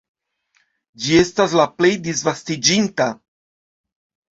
Ĝi estas la plej disvastiĝinta.